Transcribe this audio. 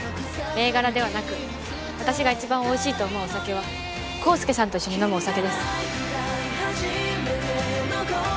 銘柄ではなく私が一番おいしいと思うお酒は康介さんと一緒に飲むお酒です。